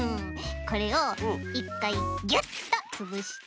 これをいっかいギュッとつぶして。